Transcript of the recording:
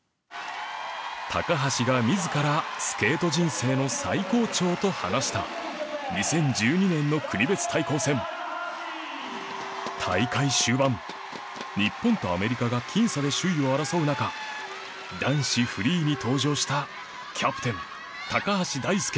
高橋が自らスケート人生の最高潮と話した２０１２年の国別対抗戦大会終盤日本とアメリカが僅差で首位を争う中男子フリーに登場したキャプテン高橋大輔